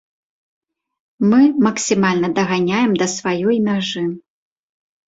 Мы максімальна даганяем да сваёй мяжы.